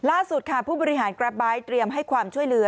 ล่าสุดค่ะผู้บริหารกราฟไบท์เตรียมให้ความช่วยเหลือ